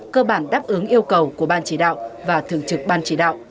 cơ bản đáp ứng yêu cầu của ban chỉ đạo và thường trực ban chỉ đạo